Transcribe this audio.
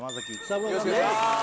よろしくお願いします